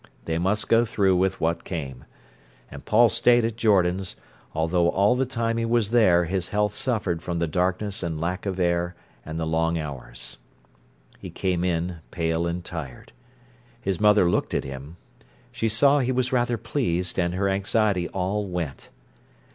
They must go through with what came. And Paul stayed at Jordan's, although all the time he was there his health suffered from the darkness and lack of air and the long hours. He came in pale and tired. His mother looked at him. She saw he was rather pleased, and her anxiety all went.